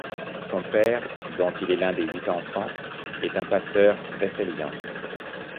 Son père, dont il est l'un des huit enfants, est un pasteur wesleyan.